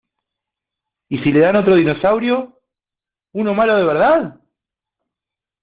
¿ Y si le dan otro dinosaurio? ¿ uno malo de verdad ?